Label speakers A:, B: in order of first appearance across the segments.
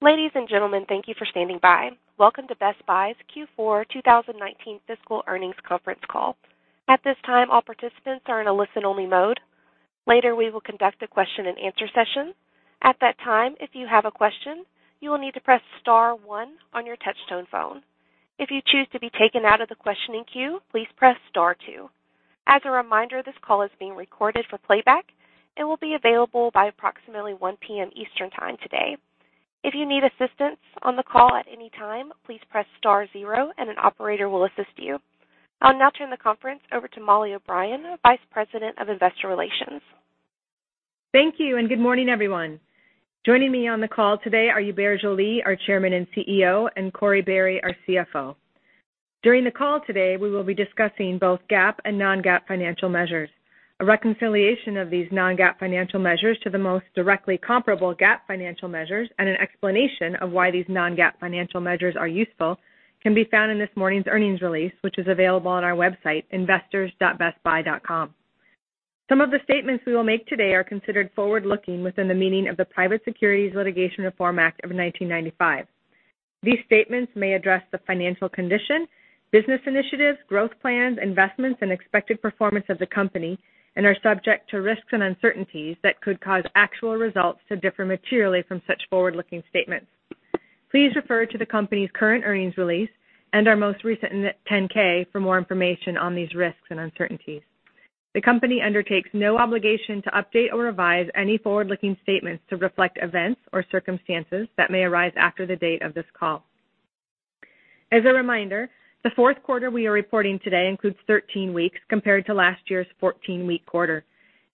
A: Ladies and gentlemen, thank you for standing by. Welcome to Best Buy's Q4 2019 fiscal earnings conference call. At this time, all participants are in a listen-only mode. Later, we will conduct a question and answer session. At that time, if you have a question, you will need to press star one on your touch-tone phone. If you choose to be taken out of the questioning queue, please press star two. As a reminder, this call is being recorded for playback and will be available by approximately 1:00 P.M. Eastern Time today. If you need assistance on the call at any time, please press star zero and an operator will assist you. I will now turn the conference over to Mollie O'Brien, Vice President, Investor Relations.
B: Thank you. Good morning, everyone. Joining me on the call today are Hubert Joly, our Chairman and CEO, and Corie Barry, our CFO. During the call today, we will be discussing both GAAP and non-GAAP financial measures. A reconciliation of these non-GAAP financial measures to the most directly comparable GAAP financial measures and an explanation of why these non-GAAP financial measures are useful can be found in this morning's earnings release, which is available on our website, investors.bestbuy.com. Some of the statements we will make today are considered forward-looking within the meaning of the Private Securities Litigation Reform Act of 1995. These statements may address the financial condition, business initiatives, growth plans, investments, and expected performance of the company and are subject to risks and uncertainties that could cause actual results to differ materially from such forward-looking statements. Please refer to the company's current earnings release and our most recent 10-K for more information on these risks and uncertainties. The company undertakes no obligation to update or revise any forward-looking statements to reflect events or circumstances that may arise after the date of this call. As a reminder, the fourth quarter we are reporting today includes 13 weeks compared to last year's 14-week quarter.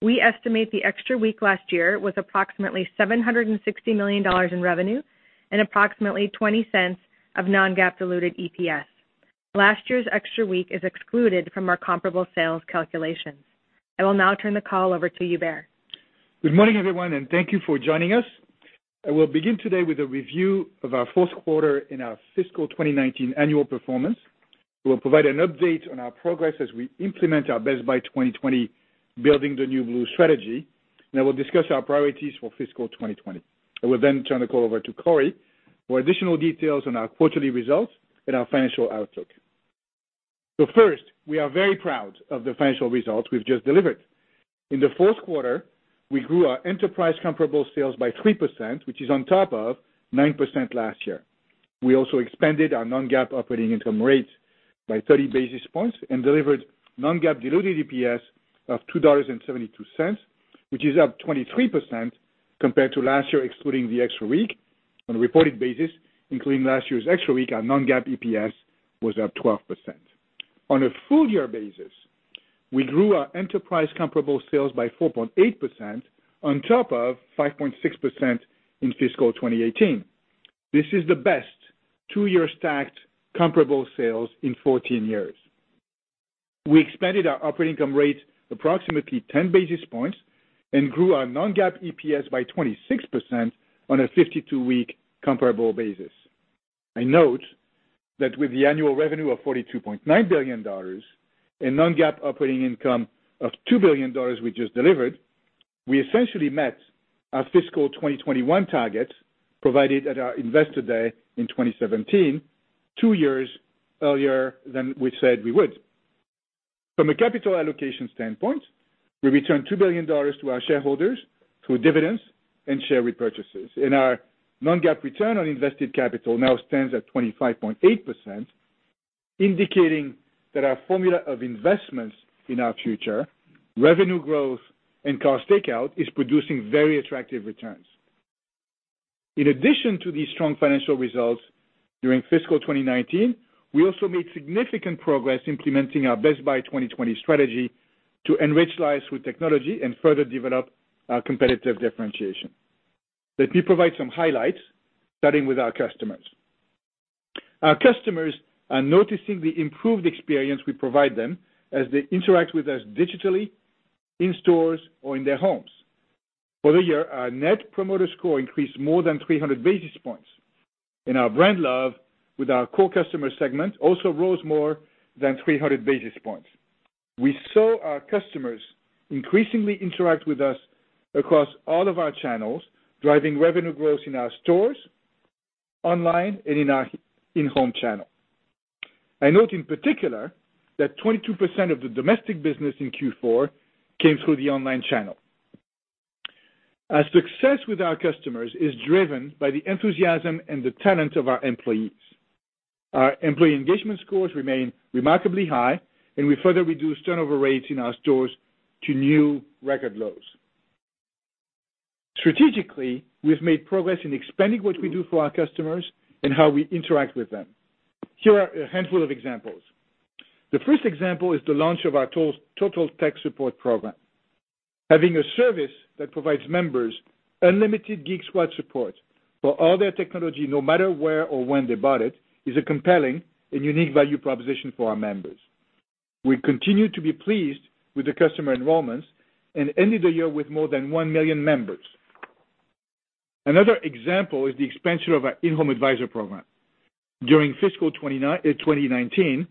B: We estimate the extra week last year was approximately $760 million in revenue and approximately $0.20 of non-GAAP diluted EPS. Last year's extra week is excluded from our comparable sales calculations. I will now turn the call over to Hubert.
C: Good morning, everyone. Thank you for joining us. I will begin today with a review of our fourth quarter and our fiscal 2019 annual performance. We will provide an update on our progress as we implement our Best Buy 2020 Building the New Blue strategy. I will discuss our priorities for fiscal 2020. I will turn the call over to Corie for additional details on our quarterly results and our financial outlook. First, we are very proud of the financial results we have just delivered. In the fourth quarter, we grew our enterprise comparable sales by 3%, which is on top of 9% last year. We also expanded our non-GAAP operating income rate by 30 basis points and delivered non-GAAP diluted EPS of $2.72, which is up 23% compared to last year, excluding the extra week on a reported basis. Including last year's extra week, our non-GAAP EPS was up 12%. On a full-year basis, we grew our enterprise comparable sales by 4.8% on top of 5.6% in fiscal 2018. This is the best two-year stacked comparable sales in 14 years. We expanded our operating income rate approximately ten basis points and grew our non-GAAP EPS by 26% on a 52-week comparable basis. I note that with the annual revenue of $42.9 billion and non-GAAP operating income of $2 billion we just delivered, we essentially met our fiscal 2021 targets provided at our Investor Day in 2017, two years earlier than we said we would. From a capital allocation standpoint, we returned $2 billion to our shareholders through dividends and share repurchases and our non-GAAP return on invested capital now stands at 25.8%, indicating that our formula of investments in our future, revenue growth, and cost takeout is producing very attractive returns. In addition to these strong financial results, during fiscal 2019, we also made significant progress implementing our Best Buy 2020 strategy to enrich lives with technology and further develop our competitive differentiation. Let me provide some highlights, starting with our customers. Our customers are noticing the improved experience we provide them as they interact with us digitally, in stores, or in their homes. For the year, our net promoter score increased more than 300 basis points and our brand love with our core customer segment also rose more than 300 basis points. We saw our customers increasingly interact with us across all of our channels, driving revenue growth in our stores, online, and in our in-home channel. I note in particular that 22% of the domestic business in Q4 came through the online channel. Our success with our customers is driven by the enthusiasm and the talent of our employees. Our employee engagement scores remain remarkably high, and we further reduced turnover rates in our stores to new record lows. Strategically, we have made progress in expanding what we do for our customers and how we interact with them. Here are a handful of examples. The first example is the launch of our Total Tech Support program. Having a service that provides members unlimited Geek Squad support for all their technology, no matter where or when they bought it, is a compelling and unique value proposition for our members. We continue to be pleased with the customer enrollments and ended the year with more than one million members. Another example is the expansion of our In-Home Advisor program. During fiscal 2019,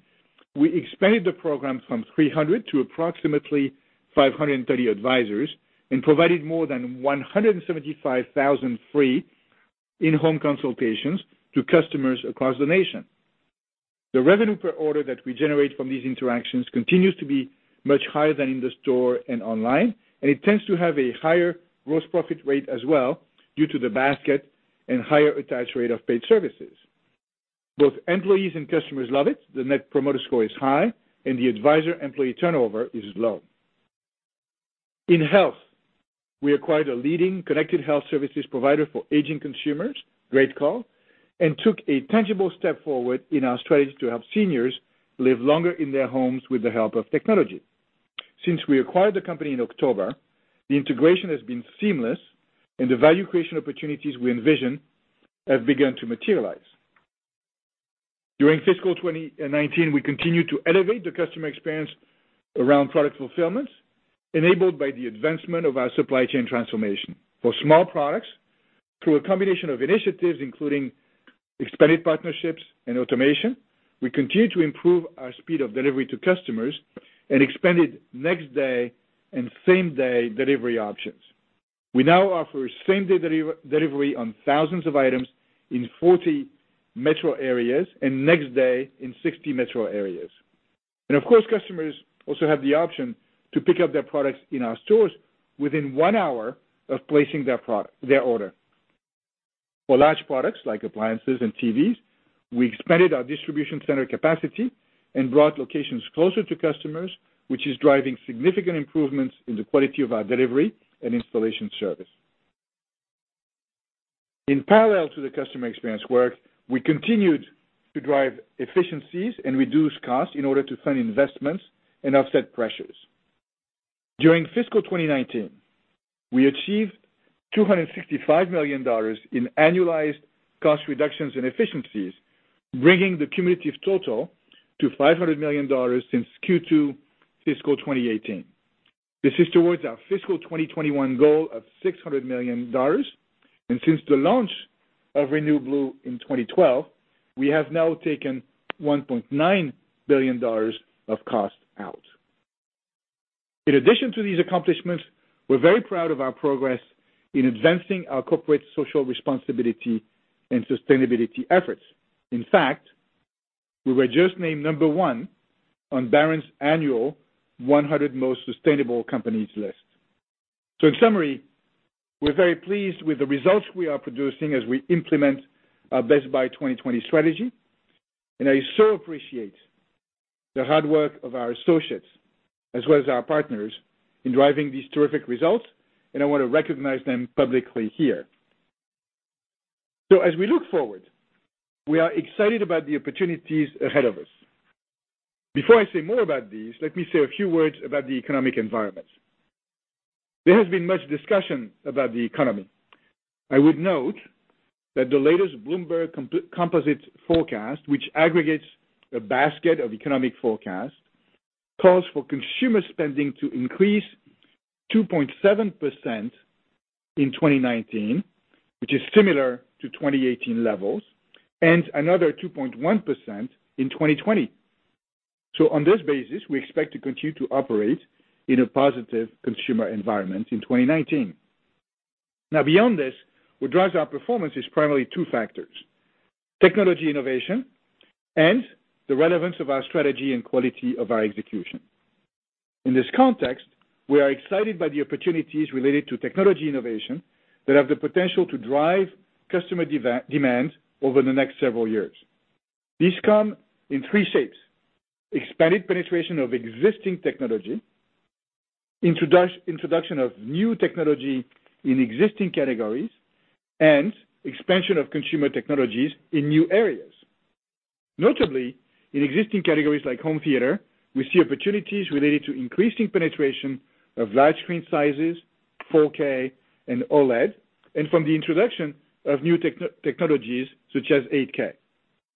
C: we expanded the program from 300 to approximately 530 advisors and provided more than 175,000 free in-home consultations to customers across the nation. The revenue per order that we generate from these interactions continues to be much higher than in the store and online, and it tends to have a higher gross profit rate as well due to the basket and higher attach rate of paid services. Both employees and customers love it. The net promoter score is high and the advisor employee turnover is low. In health, we acquired a leading connected health services provider for aging consumers, GreatCall, and took a tangible step forward in our strategy to help seniors live longer in their homes with the help of technology. Since we acquired the company in October, the integration has been seamless and the value creation opportunities we envision have begun to materialize. During fiscal 2019, we continued to elevate the customer experience around product fulfillments enabled by the advancement of our supply chain transformation. For small products, through a combination of initiatives including expanded partnerships and automation, we continue to improve our speed of delivery to customers and expanded next day and same day delivery options. We now offer same day delivery on thousands of items in 40 metro areas and next day in 60 metro areas. Of course, customers also have the option to pick up their products in our stores within one hour of placing their order. For large products like appliances and TVs, we expanded our distribution center capacity and brought locations closer to customers, which is driving significant improvements in the quality of our delivery and installation service. In parallel to the customer experience work, we continued to drive efficiencies and reduce costs in order to fund investments and offset pressures. During fiscal 2019, we achieved $255 million in annualized cost reductions in efficiencies, bringing the cumulative total to $500 million since Q2 fiscal 2018. This is towards our fiscal 2021 goal of $600 million. Since the launch of Renew Blue in 2012, we have now taken $1.9 billion of cost out. In addition to these accomplishments, we're very proud of our progress in advancing our corporate social responsibility and sustainability efforts. In fact, we were just named number one on Barron's 100 Most Sustainable Companies list. In summary, we're very pleased with the results we are producing as we implement our Best Buy 2020 strategy. I so appreciate the hard work of our associates as well as our partners in driving these terrific results, and I want to recognize them publicly here. As we look forward, we are excited about the opportunities ahead of us. Before I say more about these, let me say a few words about the economic environment. There has been much discussion about the economy. I would note that the latest Bloomberg composite forecast, which aggregates a basket of economic forecast, calls for consumer spending to increase 2.7% in 2019, which is similar to 2018 levels, and another 2.1% in 2020. On this basis, we expect to continue to operate in a positive consumer environment in 2019. Now, beyond this, what drives our performance is primarily two factors, technology innovation and the relevance of our strategy and quality of our execution. In this context, we are excited by the opportunities related to technology innovation that have the potential to drive customer demand over the next several years. These come in three shapes, expanded penetration of existing technology, introduction of new technology in existing categories, and expansion of consumer technologies in new areas. Notably, in existing categories like home theater, we see opportunities related to increasing penetration of large screen sizes, 4K and OLED, and from the introduction of new technologies such as 8K.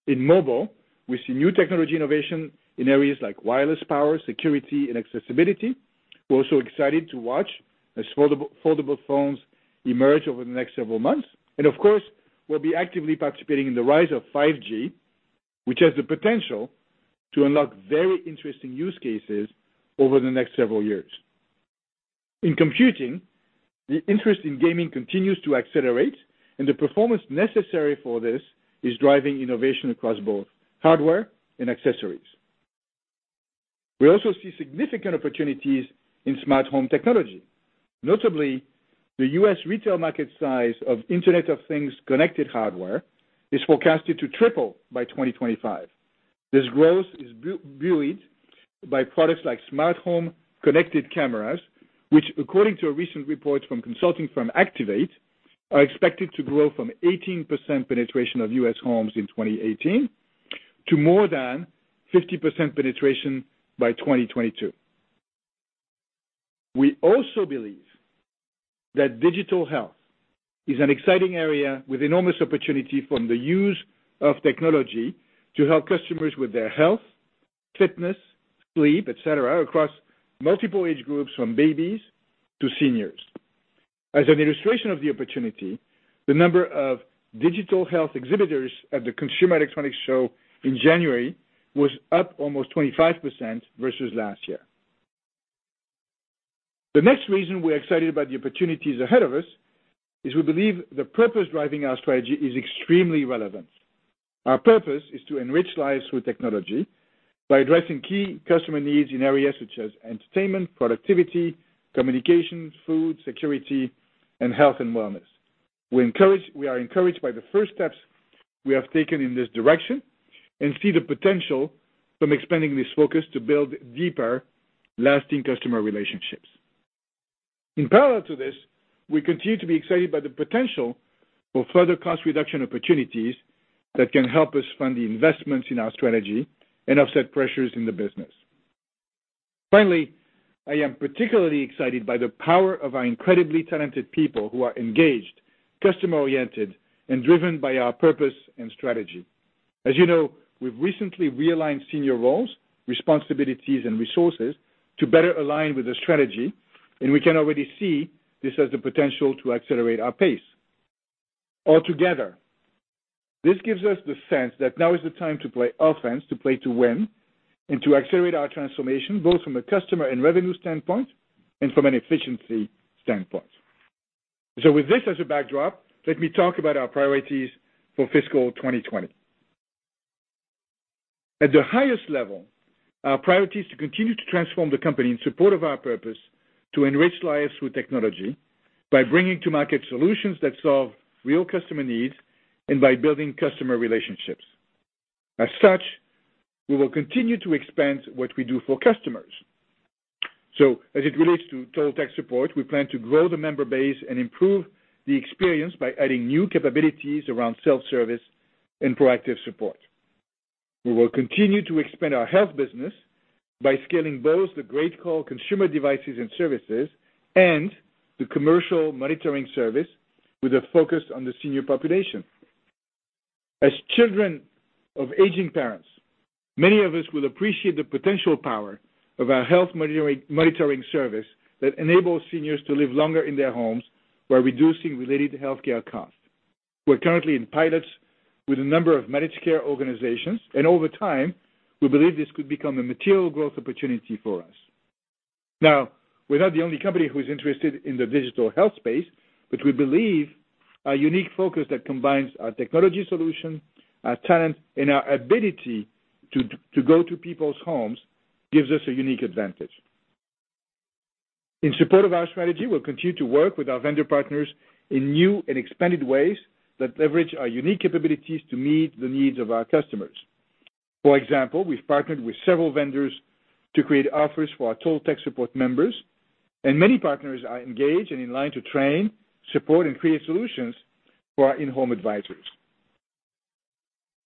C: In mobile, we see new technology innovation in areas like wireless power, security, and accessibility. We're also excited to watch as foldable phones emerge over the next several months. Of course, we'll be actively participating in the rise of 5G, which has the potential to unlock very interesting use cases over the next several years. In computing, the interest in gaming continues to accelerate, and the performance necessary for this is driving innovation across both hardware and accessories. We also see significant opportunities in smart home technology. Notably, the U.S. retail market size of Internet of Things connected hardware is forecasted to triple by 2025. This growth is buoyed by products like smart home connected cameras, which according to a recent report from consulting firm Activate, are expected to grow from 18% penetration of U.S. homes in 2018 to more than 50% penetration by 2022. We also believe that digital health is an exciting area with enormous opportunity from the use of technology to help customers with their health, fitness, sleep, etcetera, across multiple age groups from babies to seniors. As an illustration of the opportunity, the number of digital health exhibitors at the Consumer Electronics Show in January was up almost 25% versus last year. The next reason we're excited about the opportunities ahead of us is we believe the purpose driving our strategy is extremely relevant. Our purpose is to enrich lives through technology by addressing key customer needs in areas such as entertainment, productivity, communication, food, security, and health and wellness. We are encouraged by the first steps we have taken in this direction and see the potential from expanding this focus to build deeper, lasting customer relationships. In parallel to this, we continue to be excited by the potential for further cost reduction opportunities that can help us fund the investments in our strategy and offset pressures in the business. Finally, I am particularly excited by the power of our incredibly talented people who are engaged, customer-oriented, and driven by our purpose and strategy. As you know, we've recently realigned senior roles, responsibilities, and resources to better align with the strategy, and we can already see this has the potential to accelerate our pace. Altogether, this gives us the sense that now is the time to play offense, to play to win, and to accelerate our transformation, both from a customer and revenue standpoint and from an efficiency standpoint. With this as a backdrop, let me talk about our priorities for fiscal 2020. At the highest level, our priority is to continue to transform the company in support of our purpose to enrich lives through technology by bringing to market solutions that solve real customer needs and by building customer relationships. As such, we will continue to expand what we do for customers. As it relates to Total Tech Support, we plan to grow the member base and improve the experience by adding new capabilities around self-service and proactive support. We will continue to expand our health business by scaling both the GreatCall consumer devices and services and the commercial monitoring service with a focus on the senior population. As children of aging parents, many of us will appreciate the potential power of our health monitoring service that enables seniors to live longer in their homes while reducing related healthcare costs. We are currently in pilots with a number of managed care organizations, over time, we believe this could become a material growth opportunity for us. We're not the only company who's interested in the digital health space, but we believe our unique focus that combines our technology solution, our talent, and our ability to go to people's homes gives us a unique advantage. In support of our strategy, we'll continue to work with our vendor partners in new and expanded ways that leverage our unique capabilities to meet the needs of our customers. For example, we've partnered with several vendors to create offers for our Total Tech Support members, many partners are engaged and in line to train, support, and create solutions for our In-Home Advisors.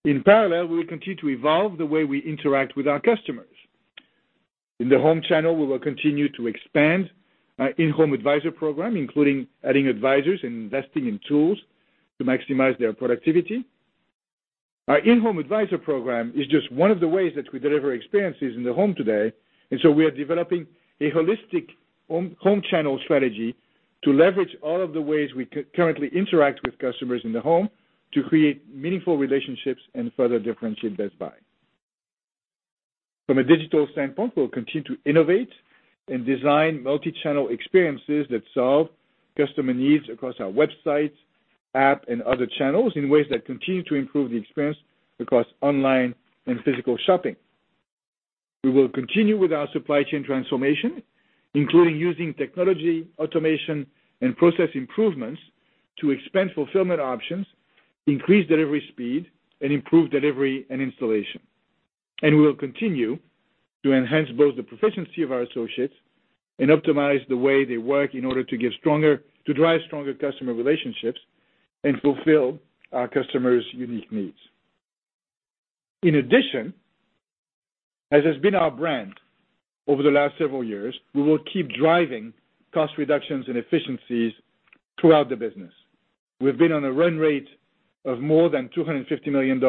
C: In parallel, we will continue to evolve the way we interact with our customers. In the home channel, we will continue to expand our In-Home Advisor program, including adding advisors and investing in tools to maximize their productivity. Our In-Home Advisor program is just one of the ways that we deliver experiences in the home today, we are developing a holistic home channel strategy to leverage all of the ways we currently interact with customers in the home to create meaningful relationships and further differentiate Best Buy. From a digital standpoint, we will continue to innovate and design multi-channel experiences that solve customer needs across our websites, app, and other channels in ways that continue to improve the experience across online and physical shopping. We will continue with our supply chain transformation, including using technology, automation, and process improvements to expand fulfillment options, increase delivery speed, and improve delivery and installation. We will continue to enhance both the proficiency of our associates and optimize the way they work in order to drive stronger customer relationships and fulfill our customers' unique needs. In addition, as has been our brand over the last several years, we will keep driving cost reductions and efficiencies throughout the business. We've been on a run rate of more than $250 million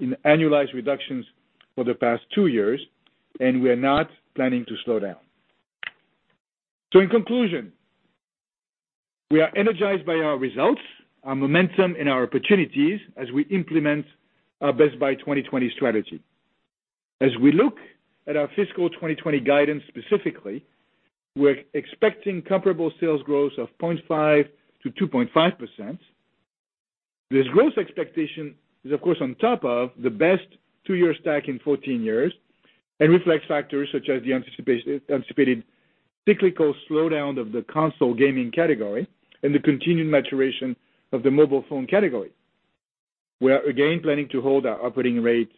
C: in annualized reductions for the past two years, we are not planning to slow down. In conclusion, we are energized by our results, our momentum, and our opportunities as we implement our Best Buy 2020 strategy. As we look at our fiscal 2020 guidance specifically, we're expecting comparable sales growth of 0.5%-2.5%. This growth expectation is, of course, on top of the best two-year stack in 14 years and reflects factors such as the anticipated cyclical slowdown of the console gaming category and the continued maturation of the mobile phone category. We are again planning to hold our operating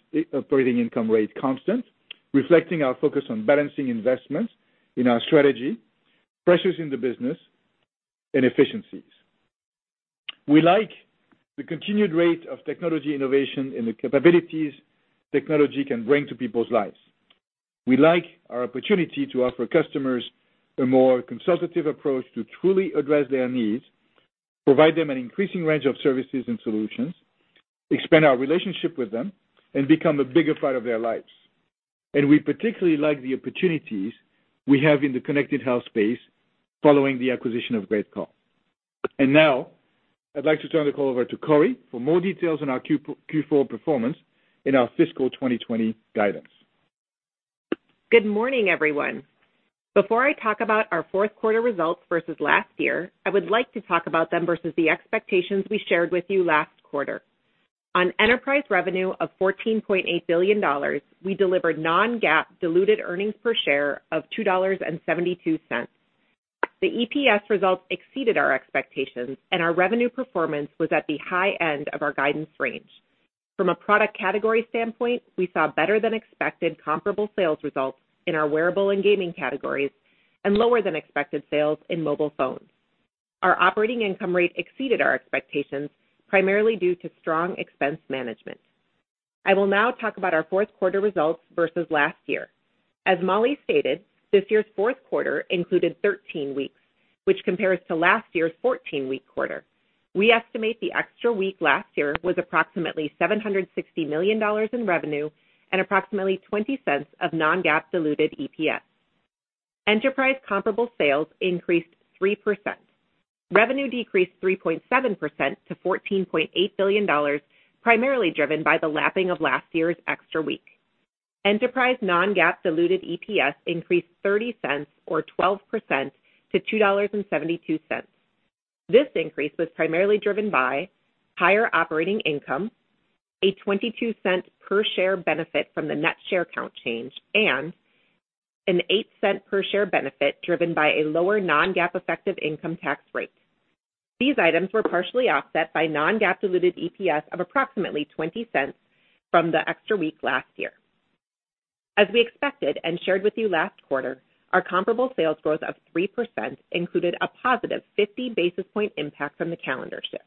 C: income rate constant, reflecting our focus on balancing investments in our strategy, pressures in the business, and efficiencies. We like the continued rate of technology innovation and the capabilities technology can bring to people's lives. We like our opportunity to offer customers a more consultative approach to truly address their needs. Provide them an increasing range of services and solutions, expand our relationship with them, and become a bigger part of their lives. We particularly like the opportunities we have in the connected health space following the acquisition of GreatCall. Now, I'd like to turn the call over to Corie for more details on our Q4 performance and our fiscal 2020 guidance.
D: Good morning, everyone. Before I talk about our fourth quarter results versus last year, I would like to talk about them versus the expectations we shared with you last quarter. On enterprise revenue of $14.8 billion, we delivered non-GAAP diluted earnings per share of $2.72. The EPS results exceeded our expectations, and our revenue performance was at the high end of our guidance range. From a product category standpoint, we saw better-than-expected comparable sales results in our wearable and gaming categories and lower-than-expected sales in mobile phones. Our operating income rate exceeded our expectations, primarily due to strong expense management. I will now talk about our fourth quarter results versus last year. As Mollie stated, this year's fourth quarter included 13 weeks, which compares to last year's 14-week quarter. We estimate the extra week last year was approximately $760 million in revenue and approximately $0.20 of non-GAAP diluted EPS. Enterprise comparable sales increased 3%. Revenue decreased 3.7% to $14.8 billion, primarily driven by the lapping of last year's extra week. Enterprise non-GAAP diluted EPS increased $0.30 or 12% to $2.72. This increase was primarily driven by higher operating income, a $0.22 per share benefit from the net share count change, and an $0.08 per share benefit driven by a lower non-GAAP effective income tax rate. These items were partially offset by non-GAAP diluted EPS of approximately $0.20 from the extra week last year. As we expected and shared with you last quarter, our comparable sales growth of 3% included a positive 50-basis-point impact from the calendar shift.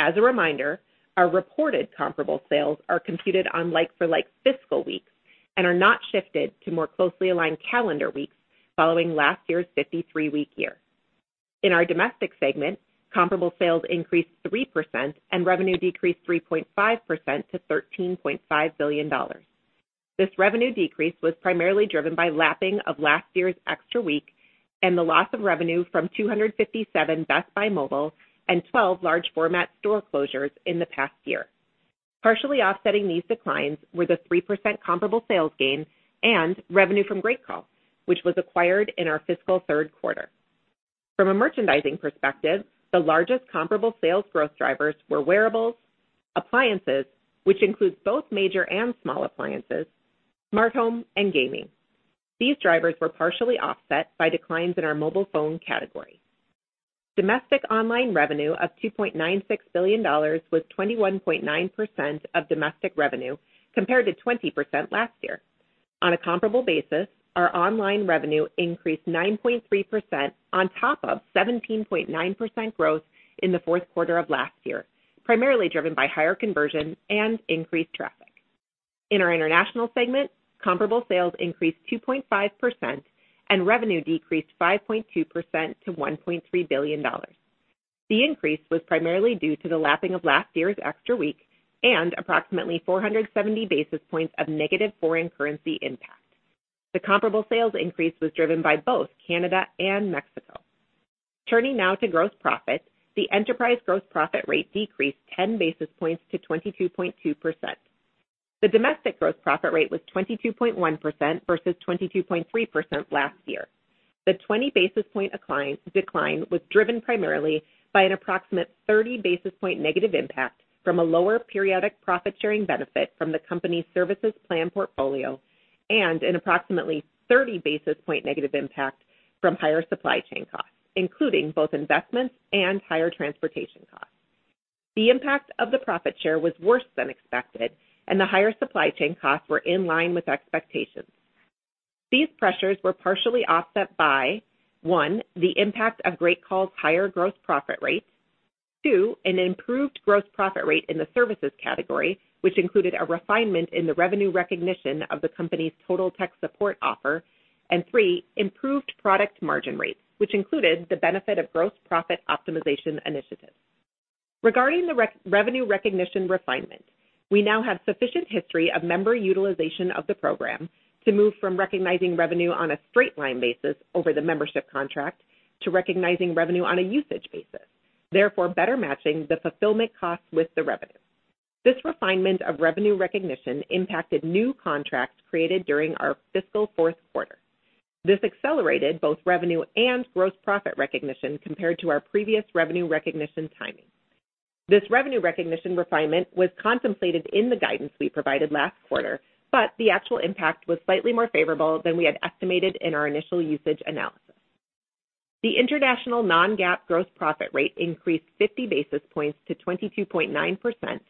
D: As a reminder, our reported comparable sales are computed on like-for-like fiscal weeks and are not shifted to more closely align calendar weeks following last year's 53-week year. In our domestic segment, comparable sales increased 3% and revenue decreased 3.5% to $13.5 billion. This revenue decrease was primarily driven by lapping of last year's extra week and the loss of revenue from 257 Best Buy Mobile and 12 large format store closures in the past year. Partially offsetting these declines were the 3% comparable sales gain and revenue from GreatCall, which was acquired in our fiscal third quarter. From a merchandising perspective, the largest comparable sales growth drivers were wearables, appliances, which includes both major and small appliances, smart home, and gaming. These drivers were partially offset by declines in our mobile phone category. Domestic online revenue of $2.96 billion was 21.9% of domestic revenue, compared to 20% last year. On a comparable basis, our online revenue increased 9.3% on top of 17.9% growth in the fourth quarter of last year, primarily driven by higher conversion and increased traffic. In our international segment, comparable sales increased 2.5% and revenue decreased 5.2% to $1.3 billion. The increase was primarily due to the lapping of last year's extra week and approximately 470 basis points of negative foreign currency impact. The comparable sales increase was driven by both Canada and Mexico. Turning now to gross profit. The enterprise gross profit rate decreased 10 basis points to 22.2%. The domestic gross profit rate was 22.1% versus 22.3% last year. The 20 basis point decline was driven primarily by an approximate 30 basis point negative impact from a lower periodic profit-sharing benefit from the company's services plan portfolio and an approximately 30 basis point negative impact from higher supply chain costs, including both investments and higher transportation costs. The impact of the profit share was worse than expected, and the higher supply chain costs were in line with expectations. These pressures were partially offset by, 1, the impact of GreatCall's higher gross profit rates. 2, an improved gross profit rate in the services category, which included a refinement in the revenue recognition of the company's Total Tech Support offer. 3, improved product margin rates, which included the benefit of gross profit optimization initiatives. Regarding the revenue recognition refinement, we now have sufficient history of member utilization of the program to move from recognizing revenue on a straight line basis over the membership contract to recognizing revenue on a usage basis, therefore better matching the fulfillment costs with the revenue. This refinement of revenue recognition impacted new contracts created during our fiscal fourth quarter. This accelerated both revenue and gross profit recognition compared to our previous revenue recognition timing. This revenue recognition refinement was contemplated in the guidance we provided last quarter, but the actual impact was slightly more favorable than we had estimated in our initial usage analysis. The international non-GAAP gross profit rate increased 50 basis points to 22.9%,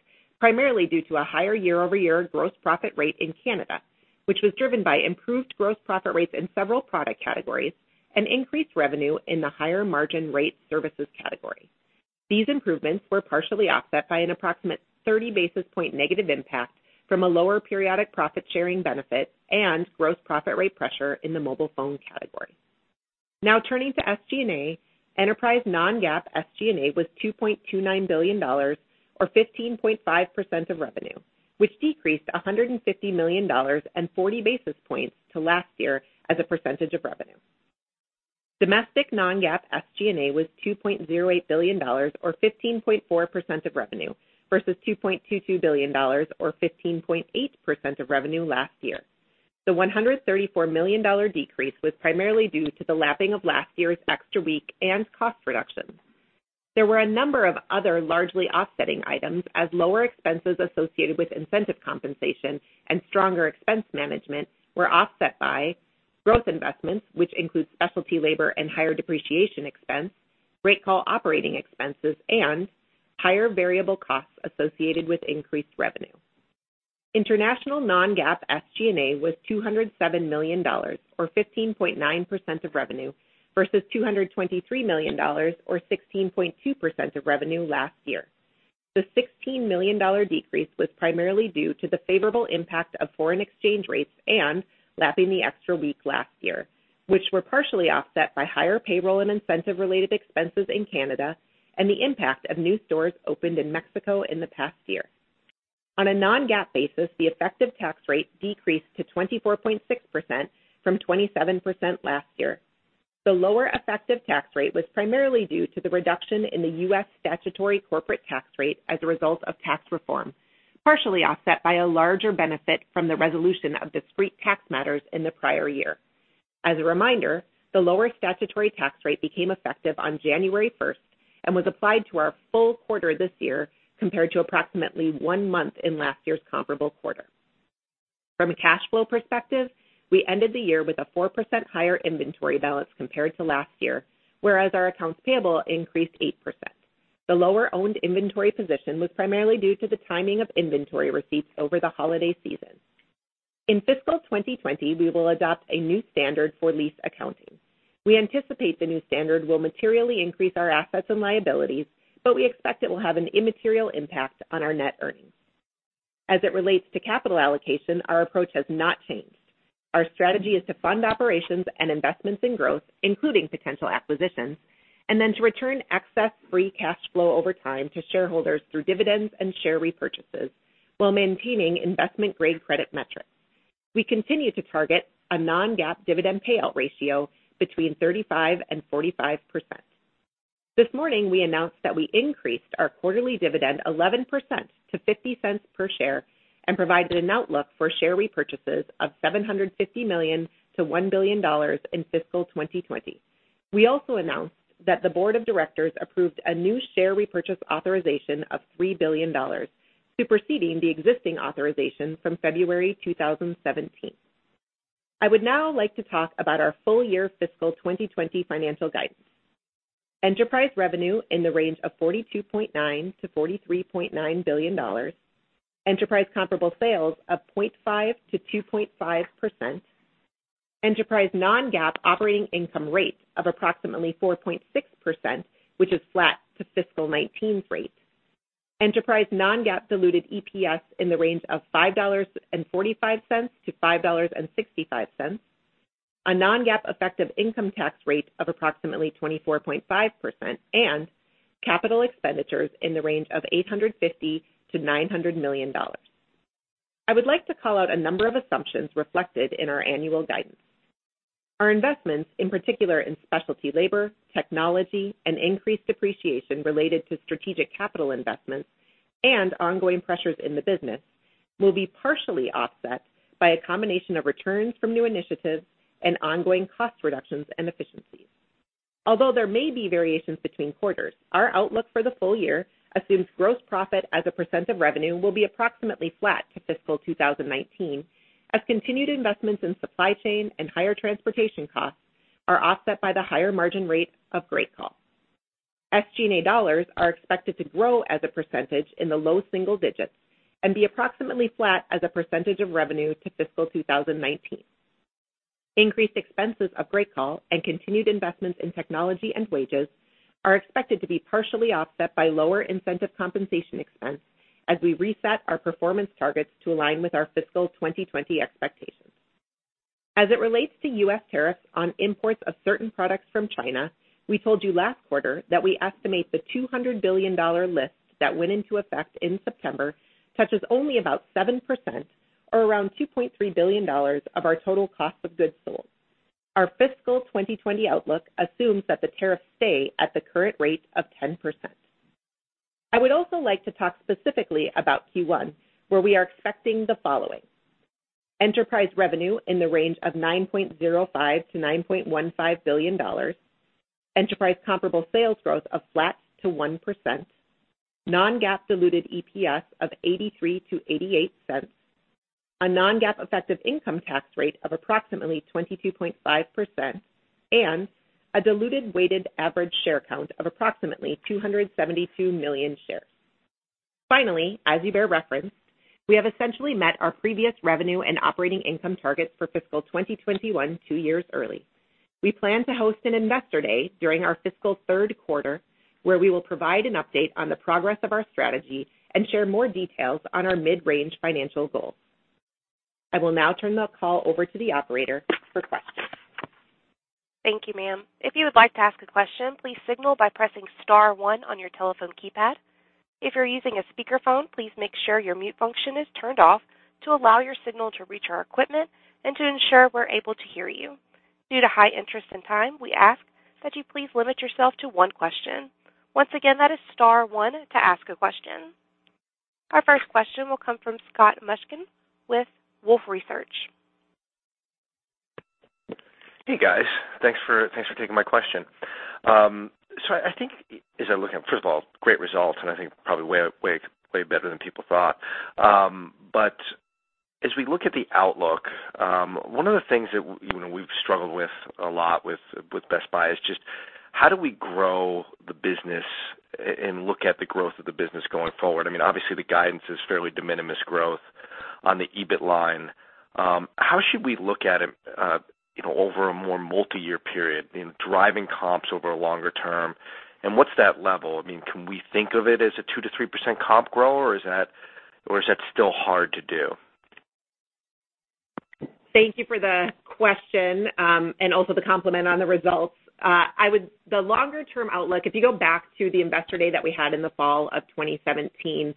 D: primarily due to a higher year-over-year gross profit rate in Canada, which was driven by improved gross profit rates in several product categories and increased revenue in the higher margin rate services category. These improvements were partially offset by an approximate 30 basis point negative impact from a lower periodic profit-sharing benefit and gross profit rate pressure in the mobile phone category. Now turning to SG&A, Enterprise non-GAAP SG&A was $2.29 billion or 15.5% of revenue, which decreased $150 million and 40 basis points to last year as a percentage of revenue. Domestic non-GAAP SG&A was $2.08 billion or 15.4% of revenue versus $2.22 billion or 15.8% of revenue last year. The $134 million decrease was primarily due to the lapping of last year's extra week and cost reductions. There were a number of other largely offsetting items as lower expenses associated with incentive compensation and stronger expense management were offset by growth investments, which include specialty labor and higher depreciation expense, GreatCall operating expenses, and higher variable costs associated with increased revenue. International non-GAAP SG&A was $207 million or 15.9% of revenue versus $223 million or 16.2% of revenue last year. The $16 million decrease was primarily due to the favorable impact of foreign exchange rates and lapping the extra week last year, which were partially offset by higher payroll and incentive-related expenses in Canada and the impact of new stores opened in Mexico in the past year. On a non-GAAP basis, the effective tax rate decreased to 24.6% from 27% last year. The lower effective tax rate was primarily due to the reduction in the U.S. statutory corporate tax rate as a result of tax reform, partially offset by a larger benefit from the resolution of discrete tax matters in the prior year. As a reminder, the lower statutory tax rate became effective on January 1st and was applied to our full quarter this year, compared to approximately one month in last year's comparable quarter. From a cash flow perspective, we ended the year with a 4% higher inventory balance compared to last year, whereas our accounts payable increased 8%. The lower-owned inventory position was primarily due to the timing of inventory receipts over the holiday season. In fiscal 2020, we will adopt a new standard for lease accounting. We anticipate the new standard will materially increase our assets and liabilities, but we expect it will have an immaterial impact on our net earnings. As it relates to capital allocation, our approach has not changed. Our strategy is to fund operations and investments in growth, including potential acquisitions, to return excess free cash flow over time to shareholders through dividends and share repurchases while maintaining investment-grade credit metrics. We continue to target a non-GAAP dividend payout ratio between 35% and 45%. This morning, we announced that we increased our quarterly dividend 11% to $0.50 per share and provided an outlook for share repurchases of $750 million to $1 billion in fiscal 2020. We also announced that the board of directors approved a new share repurchase authorization of $3 billion, superseding the existing authorization from February 2017. I would now like to talk about our full-year fiscal 2020 financial guidance. Enterprise revenue in the range of $42.9 billion to $43.9 billion. Enterprise comparable sales of 0.5% to 2.5%. Enterprise non-GAAP operating income rates of approximately 4.6%, which is flat to fiscal 2019 rates. Enterprise non-GAAP diluted EPS in the range of $5.45 to $5.65. A non-GAAP effective income tax rate of approximately 24.5%, and capital expenditures in the range of $850 million to $900 million. I would like to call out a number of assumptions reflected in our annual guidance. Our investments, in particular in specialty labor, technology, and increased depreciation related to strategic capital investments and ongoing pressures in the business, will be partially offset by a combination of returns from new initiatives and ongoing cost reductions and efficiencies. Although there may be variations between quarters, our outlook for the full year assumes gross profit as a percent of revenue will be approximately flat to fiscal 2019 as continued investments in supply chain and higher transportation costs are offset by the higher margin rates of GreatCall. SG&A dollars are expected to grow as a percentage in the low single digits and be approximately flat as a percentage of revenue to fiscal 2019. Increased expenses of GreatCall and continued investments in technology and wages are expected to be partially offset by lower incentive compensation expense as we reset our performance targets to align with our fiscal 2020 expectations. As it relates to U.S. tariffs on imports of certain products from China, we told you last quarter that we estimate the $200 billion list that went into effect in September touches only about 7%, or around $2.3 billion of our total cost of goods sold. Our fiscal 2020 outlook assumes that the tariffs stay at the current rate of 10%. I would also like to talk specifically about Q1, where we are expecting the following. Enterprise revenue in the range of $9.05 billion-$9.15 billion. Enterprise comparable sales growth of flat to 1%. Non-GAAP diluted EPS of $0.83-$0.88. A non-GAAP effective income tax rate of approximately 22.5%, and a diluted weighted average share count of approximately 272 million shares. Finally, as you bear reference, we have essentially met our previous revenue and operating income targets for fiscal 2021 two years early. We plan to host an investor day during our fiscal third quarter, where we will provide an update on the progress of our strategy and share more details on our mid-range financial goals. I will now turn the call over to the operator for questions.
A: Thank you, ma'am. If you would like to ask a question, please signal by pressing star 1 on your telephone keypad. If you're using a speakerphone, please make sure your mute function is turned off to allow your signal to reach our equipment and to ensure we're able to hear you. Due to high interest and time, we ask that you please limit yourself to one question. Once again, that is star 1 to ask a question. Our first question will come from Scott Mushkin with Wolfe Research.
E: Hey, guys. Thanks for taking my question. I think as I look at, first of all, great results, and I think probably way better than people thought. But as we look at the outlook, one of the things that we've struggled with a lot with Best Buy is just how do we grow the business and look at the growth of the business going forward? Obviously, the guidance is fairly de minimis growth on the EBIT line. How should we look at it, over a more multi-year period in driving comps over a longer term, and what's that level? Can we think of it as a 2%-3% comp grow, or is that still hard to do?
D: Thank you for the question, and also the compliment on the results. The longer-term outlook, if you go back to the investor day that we had in the fall of 2017,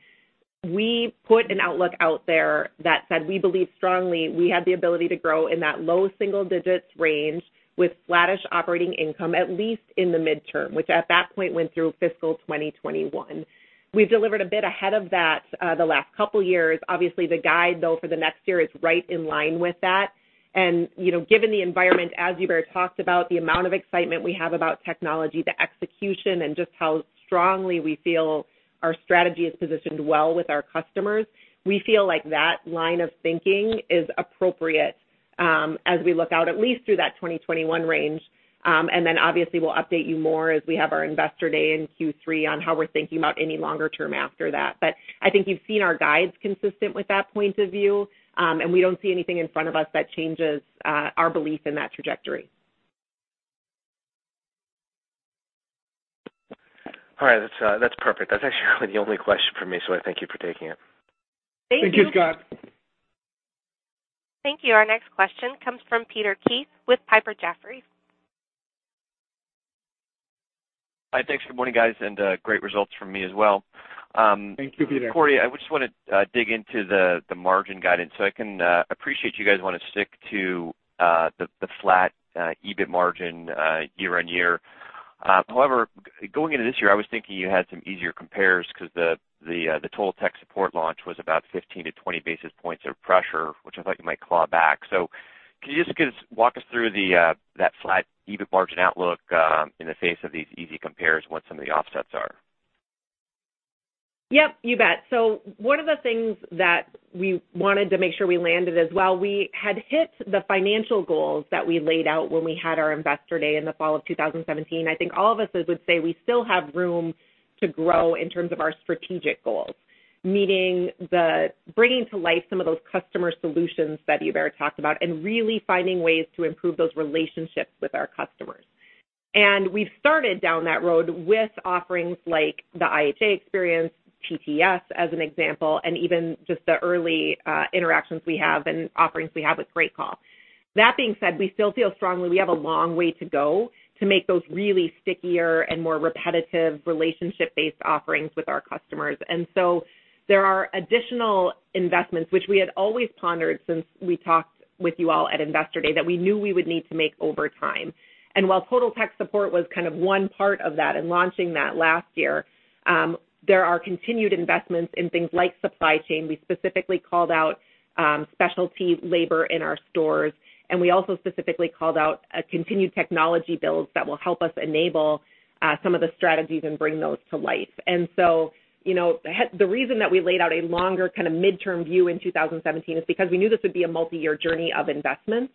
D: we put an outlook out there that said we believe strongly we have the ability to grow in that low single-digits range with flattish operating income, at least in the midterm, which at that point went through fiscal 2021. We've delivered a bit ahead of that the last couple of years. Obviously, the guide, though, for the next year is right in line with that. Given the environment, as Hubert talked about, the amount of excitement we have about technology, the execution, and just how strongly we feel our strategy is positioned well with our customers, we feel like that line of thinking is appropriate as we look out at least through that 2021 range. Obviously, we'll update you more as we have our investor day in Q3 on how we're thinking about any longer term after that. I think you've seen our guides consistent with that point of view, and we don't see anything in front of us that changes our belief in that trajectory.
E: All right. That's perfect. That's actually the only question from me, so I thank you for taking it.
D: Thank you.
C: Thank you, Scot.
A: Thank you. Our next question comes from Peter Keith with Piper Jaffray.
F: Hi. Thanks. Good morning, guys. Great results from me as well.
C: Thank you, Peter.
F: Corie, I just want to dig into the margin guidance. I can appreciate you guys want to stick to the flat EBIT margin year-over-year. However, going into this year, I was thinking you had some easier compares because the Total Tech Support launch was about 15 to 20 basis points of pressure, which I thought you might claw back. Can you just walk us through that flat EBIT margin outlook in the face of these easy compares and what some of the offsets are?
D: Yep, you bet. One of the things that we wanted to make sure we landed as well, we had hit the financial goals that we laid out when we had our Investor Day in the fall of 2017. I think all of us would say we still have room to grow in terms of our strategic goals, meaning bringing to life some of those customer solutions that Hubert talked about and really finding ways to improve those relationships with our customers. We've started down that road with offerings like the IHA experience, TTS, as an example, and even just the early interactions we have and offerings we have with GreatCall. That being said, we still feel strongly we have a long way to go to make those really stickier and more repetitive relationship-based offerings with our customers. There are additional investments which we had always pondered since we talked with you all at Investor Day that we knew we would need to make over time. While Total Tech Support was kind of one part of that and launching that last year, there are continued investments in things like supply chain. We specifically called out specialty labor in our stores, we also specifically called out a continued technology builds that will help us enable some of the strategies and bring those to life. The reason that we laid out a longer multi-year view in 2017 is because we knew this would be a multi-year journey of investments.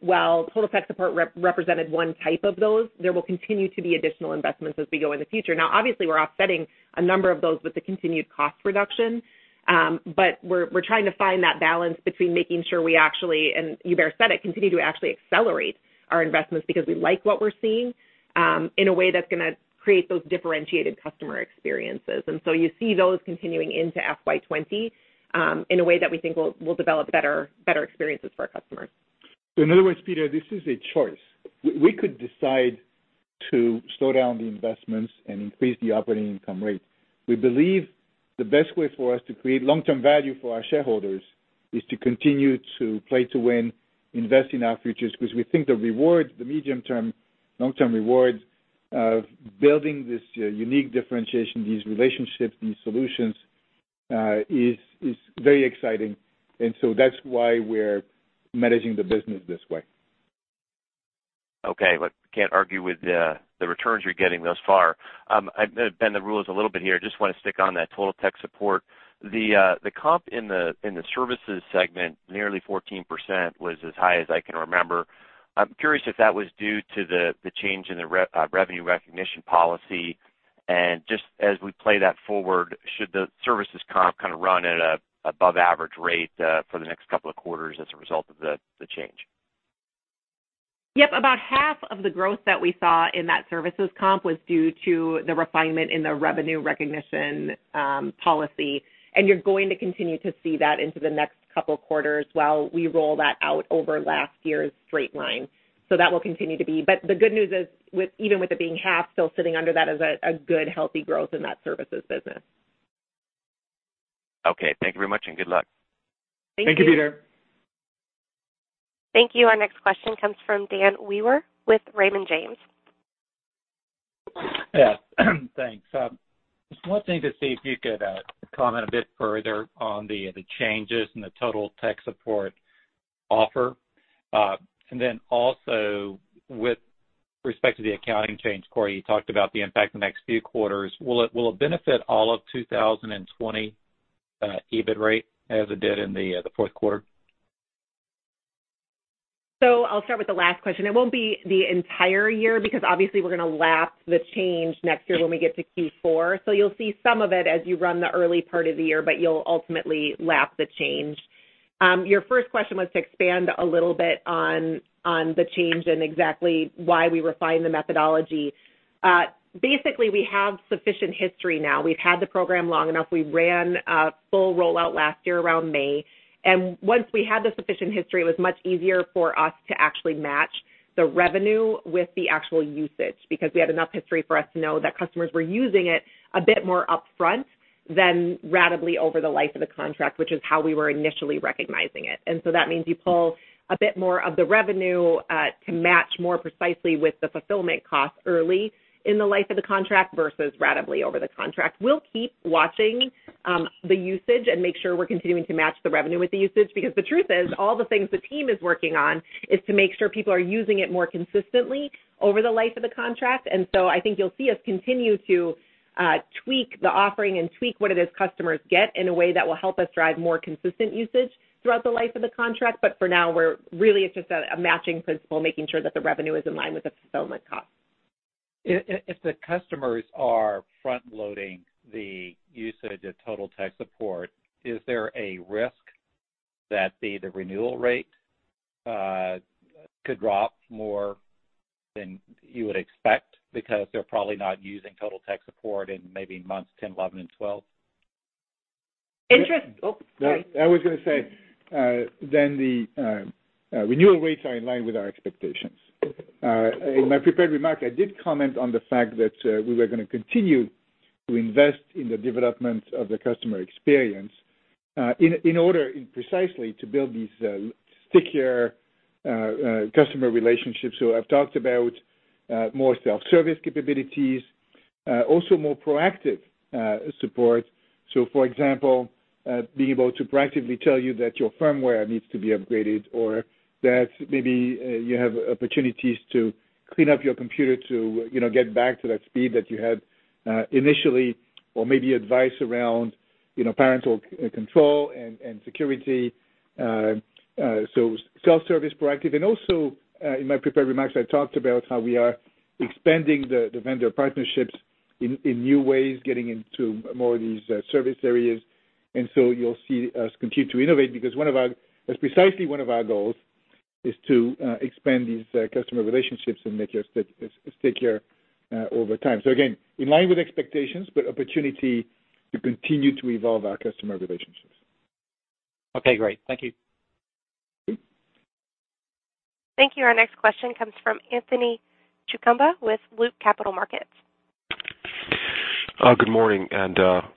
D: While Total Tech Support represented one type of those, there will continue to be additional investments as we go in the future. Now, obviously, we're offsetting a number of those with the continued cost reduction, but we're trying to find that balance between making sure we actually, and Hubert said it, continue to actually accelerate our investments because we like what we're seeing, in a way that's going to create those differentiated customer experiences. You see those continuing into FY 2020 in a way that we think will develop better experiences for our customers.
C: In other words, Peter, this is a choice. We could decide to slow down the investments and increase the operating income rate. We believe the best way for us to create long-term value for our shareholders is to continue to play to win, invest in our futures, because we think the medium-term, long-term rewards of building this unique differentiation, these relationships, these solutions, is very exciting. That's why we're managing the business this way.
F: Well, can't argue with the returns you're getting thus far. I'm going to bend the rules a little bit here. Just want to stick on that Total Tech Support. The comp in the services segment, nearly 14%, was as high as I can remember. I'm curious if that was due to the change in the revenue recognition policy. Just as we play that forward, should the services comp kind of run at an above average rate for the next couple of quarters as a result of the change?
D: Yep. About half of the growth that we saw in that services comp was due to the refinement in the revenue recognition policy. You're going to continue to see that into the next couple of quarters while we roll that out over last year's straight line. That will continue to be. The good news is, even with it being half, still sitting under that is a good, healthy growth in that services business.
F: Thank you very much, and good luck.
D: Thank you.
C: Thank you, Peter.
A: Thank you. Our next question comes from Dan Wewer with Raymond James.
G: Thanks. Just one thing to see if you could comment a bit further on the changes in the Total Tech Support offer. Also with respect to the accounting change, Corie, you talked about the impact the next few quarters. Will it benefit all of 2020, EBIT rate as it did in the fourth quarter?
D: I'll start with the last question. It won't be the entire year because obviously we're going to lap the change next year when we get to Q4. You'll see some of it as you run the early part of the year, but you'll ultimately lap the change. Your first question was to expand a little bit on the change and exactly why we refined the methodology. We have sufficient history now. We've had the program long enough. We ran a full rollout last year around May, and once we had the sufficient history, it was much easier for us to actually match the revenue with the actual usage, because we had enough history for us to know that customers were using it a bit more upfront than ratably over the life of the contract, which is how we were initially recognizing it. That means you pull a bit more of the revenue, to match more precisely with the fulfillment cost early in the life of the contract versus ratably over the contract. We'll keep watching the usage and make sure we're continuing to match the revenue with the usage, because the truth is, all the things the team is working on is to make sure people are using it more consistently over the life of the contract. I think you'll see us continue to tweak the offering and tweak what it is customers get in a way that will help us drive more consistent usage throughout the life of the contract. For now, really it's just a matching principle, making sure that the revenue is in line with the fulfillment cost.
G: If the customers are front-loading the usage of Total Tech Support, is there a risk that the renewal rate could drop more than you would expect because they're probably not using Total Tech Support in maybe months 10, 11, and 12?
D: Oh, sorry.
C: I was going to say, the renewal rates are in line with our expectations. In my prepared remarks, I did comment on the fact that we were going to continue to invest in the development of the customer experience, in order precisely to build these stickier customer relationships. I've talked about more self-service capabilities, also more proactive support. For example, being able to proactively tell you that your firmware needs to be upgraded or that maybe you have opportunities to clean up your computer to get back to that speed that you had initially, or maybe advice around parental control and security. Self-service, proactive, and also, in my prepared remarks, I talked about how we are expanding the vendor partnerships in new ways, getting into more of these service areas. You'll see us continue to innovate because that's precisely one of our goals, is to expand these customer relationships and make us stickier over time. Again, in line with expectations, opportunity to continue to evolve our customer relationships.
G: Okay, great. Thank you.
A: Thank you. Our next question comes from Anthony Chukumba with Loop Capital Markets.
H: Good morning. I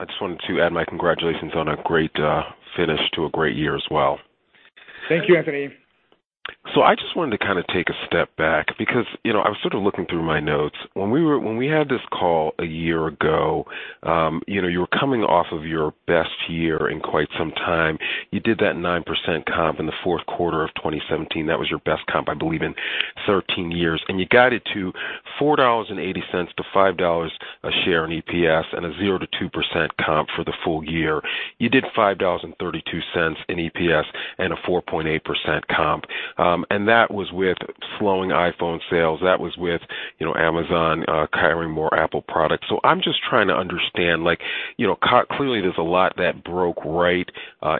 H: just wanted to add my congratulations on a great finish to a great year as well.
C: Thank you, Anthony.
H: I just wanted to kind of take a step back because I was sort of looking through my notes. When we had this call a year ago, you were coming off of your best year in quite some time. You did that 9% comp in the fourth quarter of 2017. That was your best comp, I believe, in 13 years. You guided to $4.80-$5 a share in EPS and a 0%-2% comp for the full year. You did $5.32 in EPS and a 4.8% comp. That was with slowing iPhone sales. That was with Amazon carrying more Apple products. I'm just trying to understand, clearly there's a lot that broke right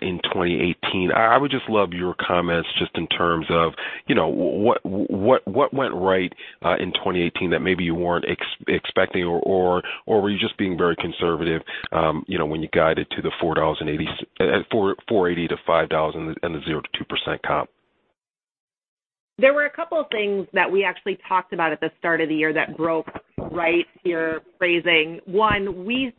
H: in 2018. I would just love your comments just in terms of what went right in 2018 that maybe you weren't expecting, or were you just being very conservative when you guided to the $4.80-$5 and the 0%-2% comp?
D: There were a couple things that we actually talked about at the start of the year that broke right, your phrasing. One, we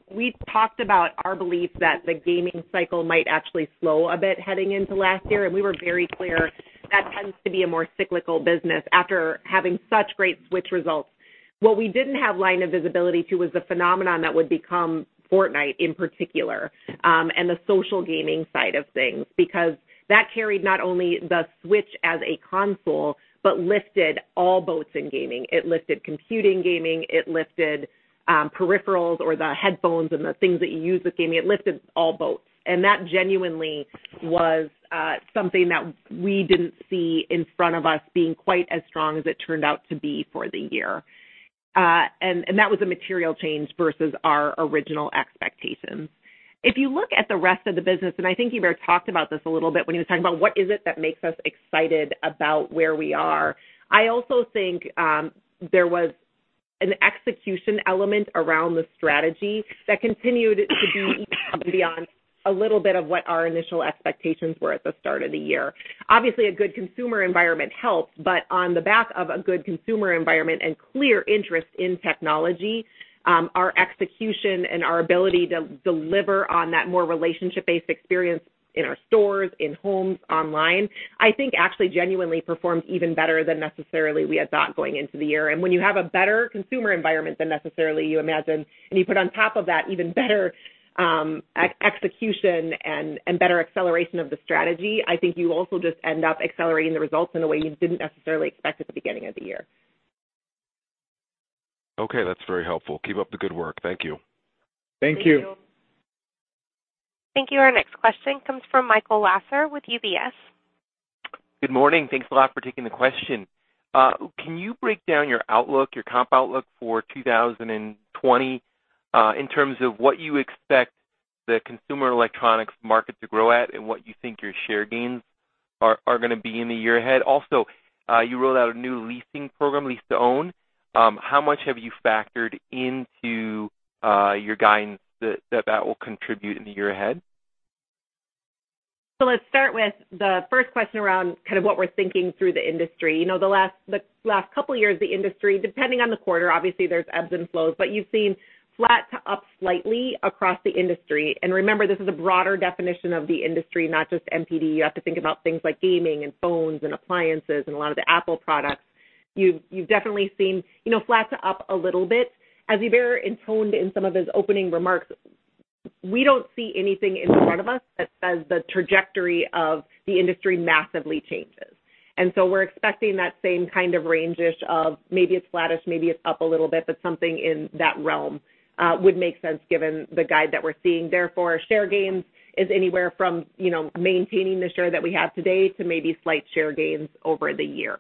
D: talked about our belief that the gaming cycle might actually slow a bit heading into last year, and we were very clear that tends to be a more cyclical business after having such great Switch results. What we didn't have line of visibility to was the phenomenon that would become Fortnite in particular, and the social gaming side of things, because that carried not only the Switch as a console, but lifted all boats in gaming. It lifted computing gaming. It lifted peripherals or the headphones and the things that you use with gaming. It lifted all boats. That genuinely was something that we didn't see in front of us being quite as strong as it turned out to be for the year. And that was a material change versus our original expectations. If you look at the rest of the business, and I think Hubert talked about this a little bit when he was talking about what is it that makes us excited about where we are. I also think, there was an execution element around the strategy that continued to be beyond a little bit of what our initial expectations were at the start of the year. Obviously, a good consumer environment helps, on the back of a good consumer environment and clear interest in technology, our execution and our ability to deliver on that more relationship-based experience in our stores, in homes, online, I think actually genuinely performed even better than necessarily we had thought going into the year. When you have a better consumer environment than necessarily you imagine, and you put on top of that even better execution and better acceleration of the strategy, I think you also just end up accelerating the results in a way you didn't necessarily expect at the beginning of the year.
H: Okay. That's very helpful. Keep up the good work. Thank you.
C: Thank you.
D: Thank you.
A: Thank you. Our next question comes from Michael Lasser with UBS.
I: Good morning. Thanks a lot for taking the question. Can you break down your outlook, your comp outlook for 2020, in terms of what you expect the consumer electronics market to grow at and what you think your share gains are going to be in the year ahead? Also, you rolled out a new leasing program, lease-to-own. How much have you factored into your guidance that that will contribute in the year ahead?
D: Let's start with the first question around kind of what we're thinking through the industry. The last couple years, the industry, depending on the quarter, obviously there's ebbs and flows, but you've seen flat to up slightly across the industry. Remember, this is a broader definition of the industry, not just NPD. You have to think about things like gaming and phones and appliances and a lot of the Apple products. You've definitely seen flat to up a little bit. As Hubert intoned in some of his opening remarks, we don't see anything in front of us that says the trajectory of the industry massively changes. We're expecting that same kind of range-ish of maybe it's flattish, maybe it's up a little bit, but something in that realm would make sense given the guide that we're seeing. Therefore, share gains is anywhere from maintaining the share that we have today to maybe slight share gains over the year.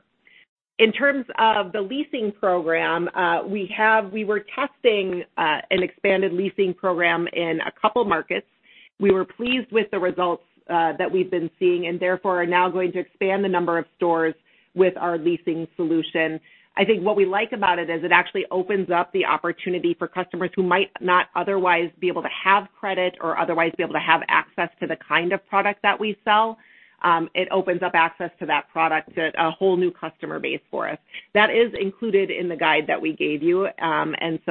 D: In terms of the leasing program, we were testing an expanded leasing program in a couple markets. We were pleased with the results that we've been seeing and therefore are now going to expand the number of stores with our leasing solution. I think what we like about it is it actually opens up the opportunity for customers who might not otherwise be able to have credit or otherwise be able to have access to the kind of product that we sell. It opens up access to that product to a whole new customer base for us. That is included in the guide that we gave you.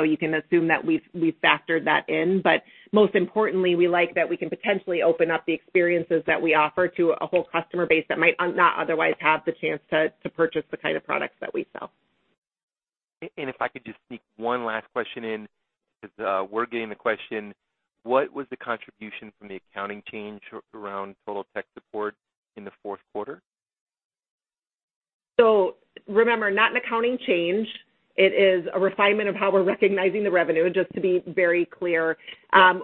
D: You can assume that we've factored that in, but most importantly, we like that we can potentially open up the experiences that we offer to a whole customer base that might not otherwise have the chance to purchase the kind of products that we sell.
I: If I could just sneak one last question in, because we're getting the question, what was the contribution from the accounting change around Total Tech Support in the fourth quarter?
D: Remember, not an accounting change. It is a refinement of how we're recognizing the revenue, just to be very clear.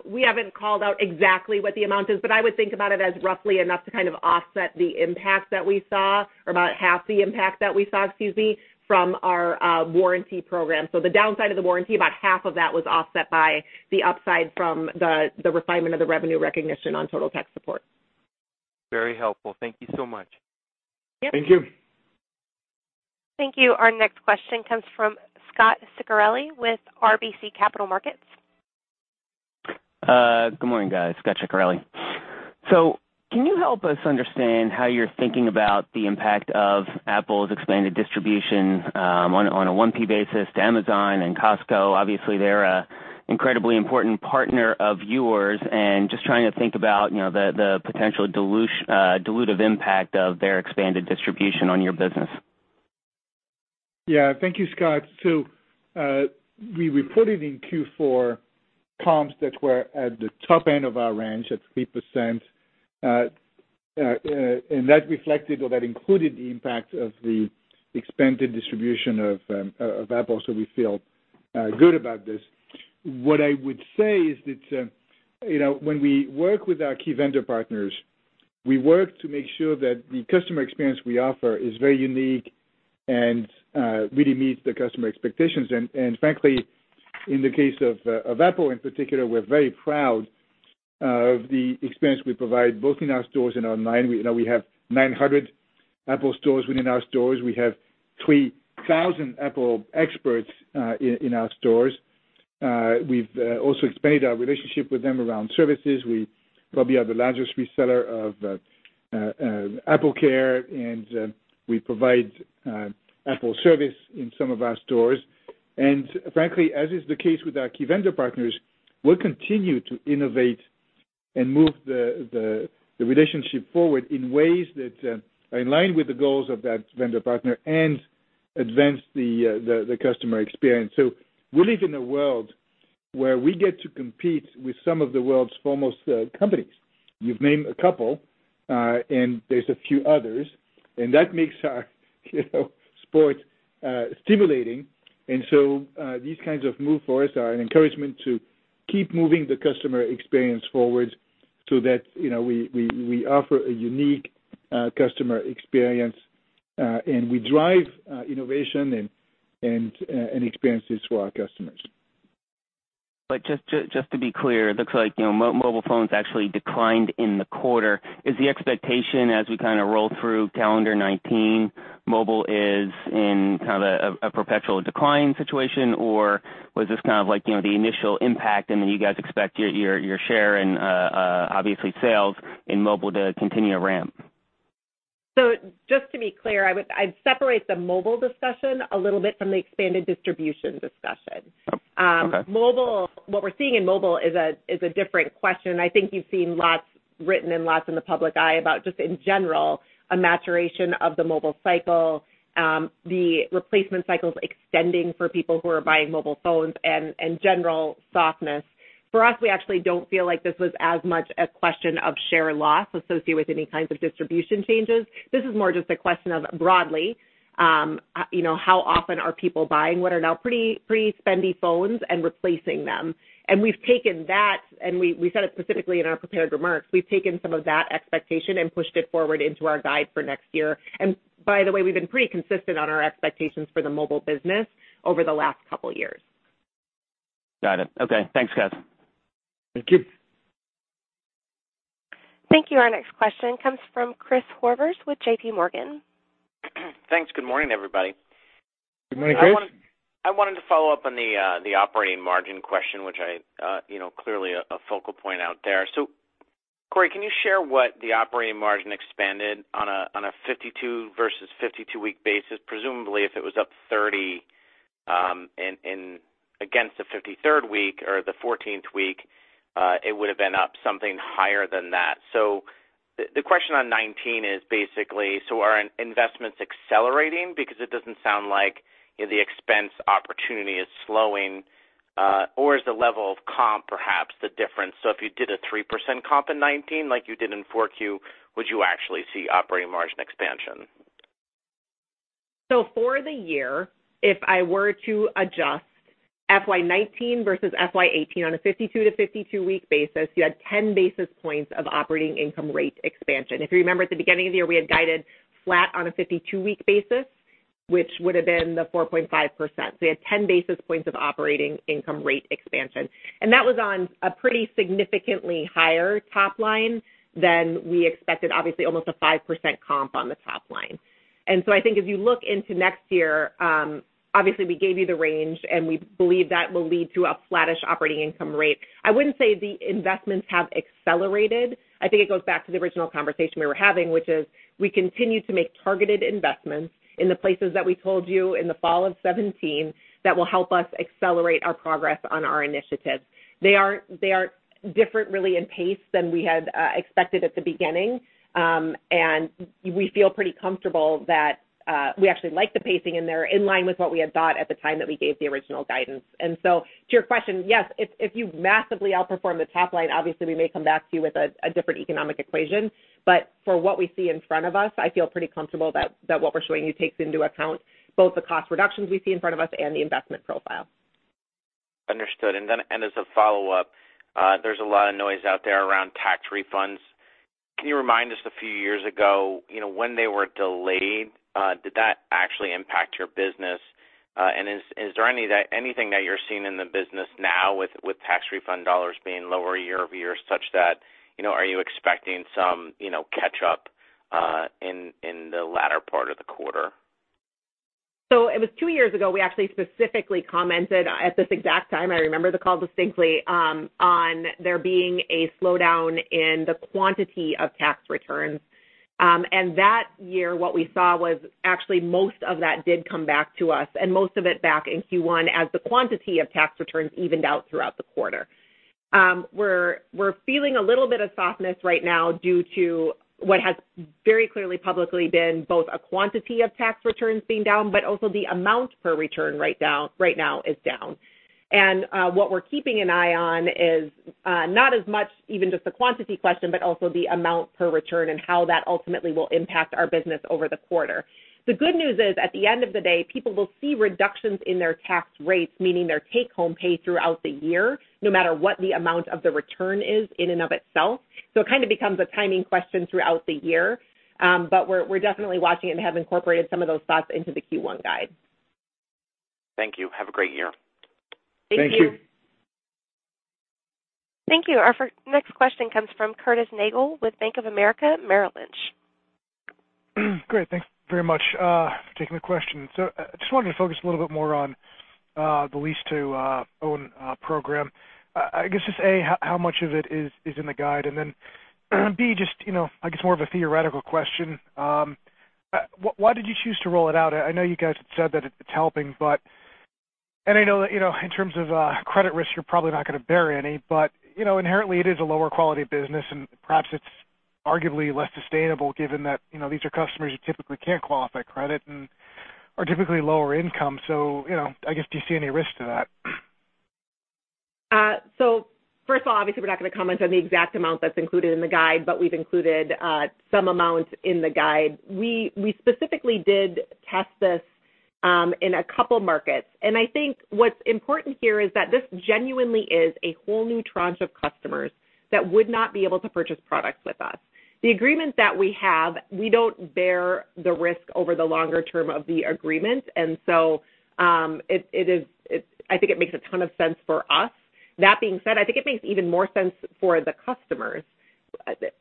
D: We haven't called out exactly what the amount is, but I would think about it as roughly enough to kind of offset the impact that we saw, or about half the impact that we saw, excuse me, from our warranty program. The downside of the warranty, about half of that was offset by the upside from the refinement of the revenue recognition on Total Tech Support.
I: Very helpful. Thank you so much.
D: Yeah.
C: Thank you.
A: Thank you. Our next question comes from Scot Ciccarelli with RBC Capital Markets.
J: Good morning, guys. Scot Ciccarelli. Can you help us understand how you're thinking about the impact of Apple's expanded distribution, on a 1P basis to Amazon and Costco? Obviously, they're an incredibly important partner of yours, and just trying to think about the potential dilutive impact of their expanded distribution on your business.
C: Yeah. Thank you, Scot. We reported in Q4 comps that were at the top end of our range at 3%, and that reflected, or that included the impact of the expanded distribution of Apple, so we feel good about this. What I would say is that when we work with our key vendor partners, we work to make sure that the customer experience we offer is very unique and really meets the customer expectations. Frankly, in the case of Apple in particular, we're very proud of the experience we provide both in our stores and online. We have 900 Apple stores within our stores. We have 3,000 Apple experts in our stores. We've also expanded our relationship with them around services. We probably are the largest reseller of AppleCare, and we provide Apple service in some of our stores. Frankly, as is the case with our key vendor partners, we'll continue to innovate and move the relationship forward in ways that are in line with the goals of that vendor partner and advance the customer experience. We live in a world where we get to compete with some of the world's foremost companies. You've named a couple, and there's a few others, and that makes our sport stimulating. These kinds of move for us are an encouragement to keep moving the customer experience forward. So that we offer a unique customer experience, and we drive innovation and experiences for our customers.
J: Just to be clear, it looks like mobile phones actually declined in the quarter. Is the expectation as we kind of roll through calendar 2019, mobile is in kind of a perpetual decline situation, or was this kind of like the initial impact and then you guys expect your share and obviously sales in mobile to continue to ramp?
D: Just to be clear, I'd separate the mobile discussion a little bit from the expanded distribution discussion.
J: Okay.
D: Mobile, what we're seeing in mobile is a different question. I think you've seen lots written and lots in the public eye about just in general, a maturation of the mobile cycle, the replacement cycles extending for people who are buying mobile phones and general softness. For us, we actually don't feel like this was as much a question of share loss associated with any kinds of distribution changes. This is more just a question of, broadly, how often are people buying what are now pretty spendy phones and replacing them. We've taken that, and we said it specifically in our prepared remarks, we've taken some of that expectation and pushed it forward into our guide for next year. By the way, we've been pretty consistent on our expectations for the mobile business over the last couple of years.
J: Got it. Okay. Thanks, guys.
C: Thank you.
A: Thank you. Our next question comes from Christopher Horvers with J.P. Morgan.
K: Thanks. Good morning, everybody.
C: Good morning, Chris.
K: I wanted to follow up on the operating margin question, which clearly a focal point out there. Corie, can you share what the operating margin expanded on a 52 versus 52-week basis? Presumably, if it was up 30 against the 53rd week or the 14th week, it would have been up something higher than that. The question on 2019 is basically, so are investments accelerating because it doesn't sound like the expense opportunity is slowing, or is the level of comp perhaps the difference? If you did a 3% comp in 2019 like you did in Q4, would you actually see operating margin expansion?
D: For the year, if I were to adjust FY 2019 versus FY 2018 on a 52 to 52-week basis, you had 10 basis points of operating income rate expansion. If you remember at the beginning of the year, we had guided flat on a 52-week basis, which would have been the 4.5%. You had 10 basis points of operating income rate expansion. That was on a pretty significantly higher top line than we expected, obviously almost a 5% comp on the top line. I think if you look into next year, obviously we gave you the range, and we believe that will lead to a flattish operating income rate. I wouldn't say the investments have accelerated. I think it goes back to the original conversation we were having, which is we continue to make targeted investments in the places that we told you in the fall of 2017 that will help us accelerate our progress on our initiatives. They are different really in pace than we had expected at the beginning. We feel pretty comfortable that we actually like the pacing, and they're in line with what we had thought at the time that we gave the original guidance. To your question, yes, if you massively outperform the top line, obviously, we may come back to you with a different economic equation. For what we see in front of us, I feel pretty comfortable that what we're showing you takes into account both the cost reductions we see in front of us and the investment profile.
K: Understood. As a follow-up, there's a lot of noise out there around tax refunds. Can you remind us a few years ago, when they were delayed, did that actually impact your business? Is there anything that you're seeing in the business now with tax refund dollars being lower year-over-year such that, are you expecting some catch-up in the latter part of the quarter?
D: It was two years ago, we actually specifically commented at this exact time, I remember the call distinctly, on there being a slowdown in the quantity of tax returns. That year, what we saw was actually most of that did come back to us, and most of it back in Q1 as the quantity of tax returns evened out throughout the quarter. We're feeling a little bit of softness right now due to what has very clearly publicly been both a quantity of tax returns being down, but also the amount per return right now is down. What we're keeping an eye on is not as much even just the quantity question, but also the amount per return and how that ultimately will impact our business over the quarter. The good news is, at the end of the day, people will see reductions in their tax rates, meaning their take-home pay throughout the year, no matter what the amount of the return is in and of itself. It kind of becomes a timing question throughout the year. We're definitely watching it and have incorporated some of those thoughts into the Q1 guide.
K: Thank you. Have a great year.
D: Thank you.
C: Thank you.
A: Thank you. Our next question comes from Curtis Nagle with Bank of America Merrill Lynch.
L: Great. Thanks very much for taking the question. I just wanted to focus a little bit more on the lease-to-own program. I guess just A, how much of it is in the guide? B, just I guess more of a theoretical question. Why did you choose to roll it out? I know you guys had said that it's helping, and I know that in terms of credit risk, you're probably not going to bear any, but inherently it is a lower quality business, and perhaps it's arguably less sustainable given that these are customers who typically can't qualify credit and are typically lower income. I guess, do you see any risk to that?
D: First of all, obviously, we're not going to comment on the exact amount that's included in the guide, but we've included some amounts in the guide. We specifically did test this in a couple markets. I think what's important here is that this genuinely is a whole new tranche of customers that would not be able to purchase products with us. The agreement that we have, we don't bear the risk over the longer term of the agreement, and so I think it makes a ton of sense for us. That being said, I think it makes even more sense for the customers.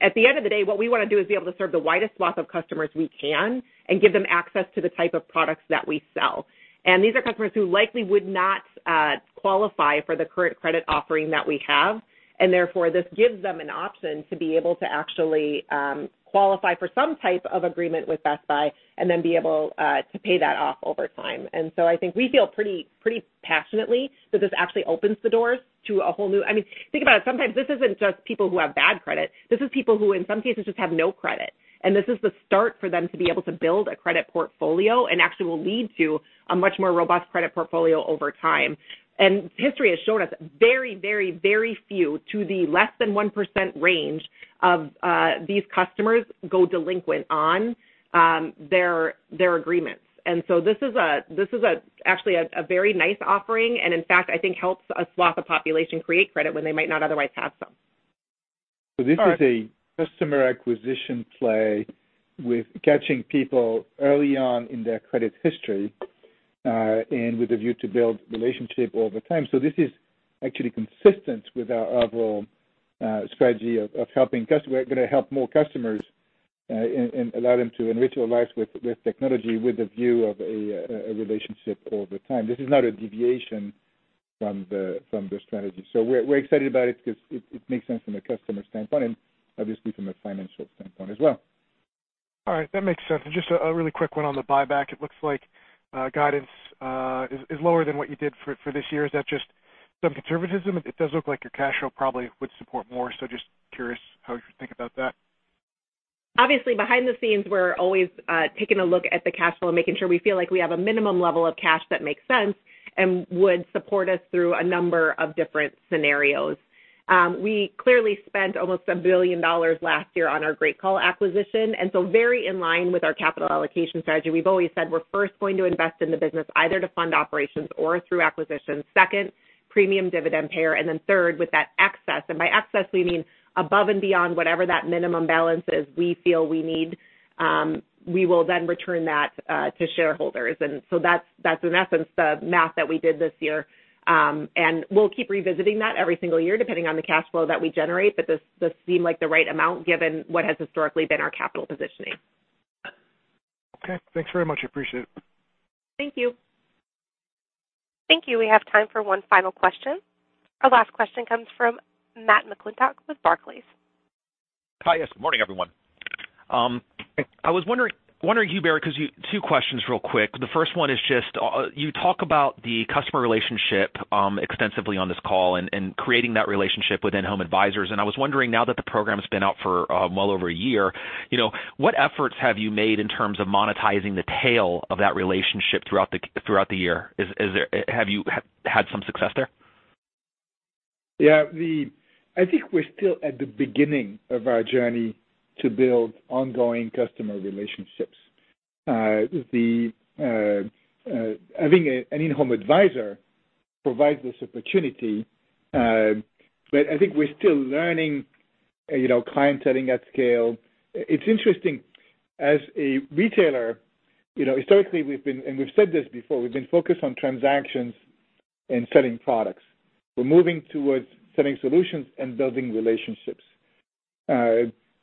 D: At the end of the day, what we want to do is be able to serve the widest swath of customers we can and give them access to the type of products that we sell. These are customers who likely would not qualify for the current credit offering that we have, and therefore, this gives them an option to be able to actually qualify for some type of agreement with Best Buy and then be able to pay that off over time. I think we feel pretty passionately that this actually opens the doors to a whole new, Think about it, sometimes this isn't just people who have bad credit, this is people who in some cases just have no credit. This is the start for them to be able to build a credit portfolio and actually will lead to a much more robust credit portfolio over time. History has shown us very few, to the less than 1% range of these customers go delinquent on their agreements. this is actually a very nice offering, and in fact, I think helps a swath of population create credit when they might not otherwise have some.
C: this is a customer acquisition play with catching people early on in their credit history, and with a view to build relationship over time. This is actually consistent with our overall strategy of we're going to help more customers, and allow them to enrich their lives with technology, with a view of a relationship over time. This is not a deviation from the strategy. We're excited about it because it makes sense from a customer standpoint, and obviously from a financial standpoint as well.
L: All right. That makes sense. Just a really quick one on the buyback. It looks like guidance is lower than what you did for this year. Is that just some conservatism? It does look like your cash flow probably would support more, so just curious how you think about that.
D: Obviously, behind the scenes, we're always taking a look at the cash flow and making sure we feel like we have a minimum level of cash that makes sense and would support us through a number of different scenarios. We clearly spent almost $1 billion last year on our GreatCall acquisition, very in line with our capital allocation strategy. We've always said we're first going to invest in the business either to fund operations or through acquisitions. Second, premium dividend payer, then third, with that excess, and by excess we mean above and beyond whatever that minimum balance is we feel we need, we will then return that to shareholders. That's in essence the math that we did this year. We'll keep revisiting that every single year, depending on the cash flow that we generate, this seemed like the right amount given what has historically been our capital positioning.
L: Okay. Thanks very much. I appreciate it.
D: Thank you.
A: Thank you. We have time for one final question. Our last question comes from Matthew McClintock with Barclays.
M: Hi, yes. Good morning, everyone. Barry, two questions real quick. The first one is, you talk about the customer relationship extensively on this call and creating that relationship with In-Home Advisors, and I was wondering, now that the program's been out for well over a year, what efforts have you made in terms of monetizing the tail of that relationship throughout the year? Have you had some success there?
C: Yeah. I think we're still at the beginning of our journey to build ongoing customer relationships. Having an In-Home Advisor provides this opportunity, but I think we're still learning clienteling at scale. It's interesting, as a retailer, historically, and we've said this before, we've been focused on transactions and selling products. We're moving towards selling solutions and building relationships.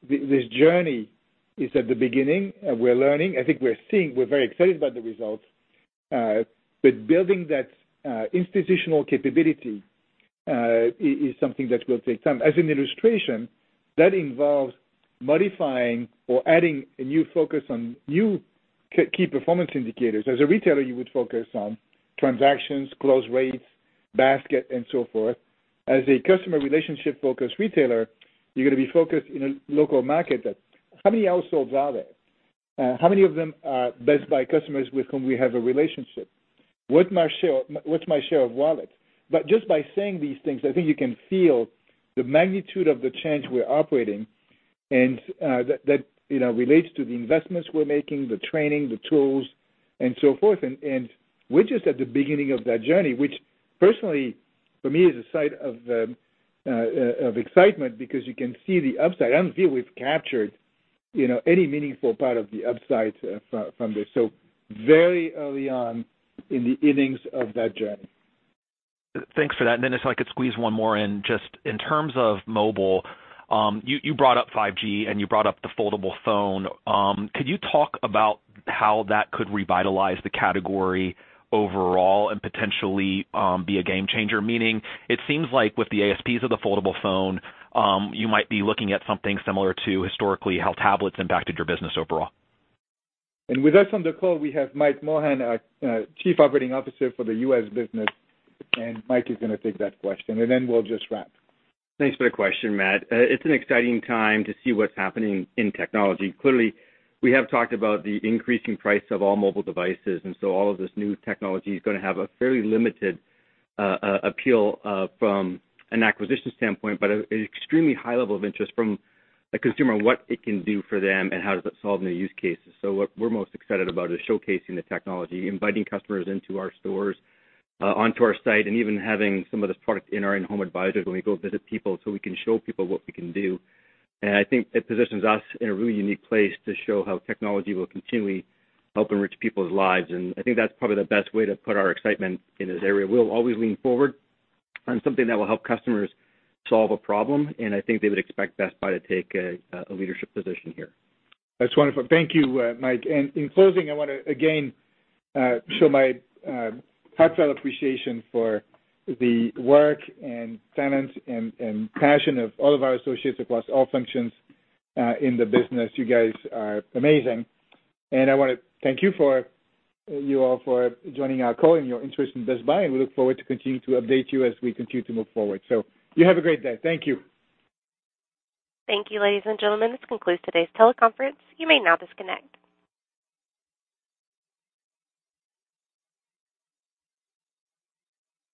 C: This journey is at the beginning. We're learning. I think we're seeing, we're very excited about the results. Building that institutional capability is something that will take time. As an illustration, that involves modifying or adding a new focus on new key performance indicators. As a retailer, you would focus on transactions, close rates, basket, and so forth. As a customer relationship-focused retailer, you're going to be focused in a local market that how many households are there? How many of them are Best Buy customers with whom we have a relationship? What's my share of wallet? Just by saying these things, I think you can feel the magnitude of the change we're operating, and that relates to the investments we're making, the training, the tools, and so forth. We're just at the beginning of that journey, which personally for me is a site of excitement because you can see the upside. I don't feel we've captured any meaningful part of the upside from this. Very early on in the innings of that journey.
M: Thanks for that. If I could squeeze one more in. Just in terms of mobile, you brought up 5G and you brought up the foldable phone. Could you talk about how that could revitalize the category overall and potentially be a game changer? Meaning, it seems like with the ASPs of the foldable phone, you might be looking at something similar to historically how tablets impacted your business overall.
C: With us on the call, we have Mike Mohan, our Chief Operating Officer for the U.S. business, Mike is going to take that question, then we'll just wrap.
N: Thanks for the question, Matt. It's an exciting time to see what's happening in technology. Clearly, we have talked about the increasing price of all mobile devices, all of this new technology is going to have a fairly limited appeal from an acquisition standpoint, but an extremely high level of interest from a consumer, what it can do for them and how does it solve new use cases. What we're most excited about is showcasing the technology, inviting customers into our stores, onto our site, even having some of this product in our In-Home Advisors when we go visit people so we can show people what we can do. I think it positions us in a really unique place to show how technology will continually help enrich people's lives I think that's probably the best way to put our excitement in this area. We'll always lean forward on something that will help customers solve a problem, I think they would expect Best Buy to take a leadership position here.
C: That's wonderful. Thank you, Mike. In closing, I want to again show my heartfelt appreciation for the work and talent and passion of all of our associates across all functions in the business. You guys are amazing. I want to thank you all for joining our call and your interest in Best Buy, we look forward to continuing to update you as we continue to move forward. You have a great day. Thank you.
A: Thank you, ladies and gentlemen. This concludes today's teleconference. You may now disconnect.